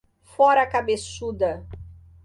Fora cabeçuda